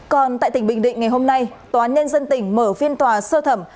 còn tại tỉnh bình định ngày hôm nay tòa án nhân dân tỉnh mở phiên tòa sơ thẩm